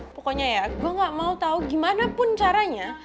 pokoknya ya gue gak mau tahu gimana pun caranya